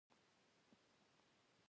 خور د فامیل خوږه غړي ده.